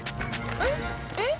えっ？えっ？